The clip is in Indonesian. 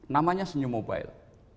namanya senyum mobile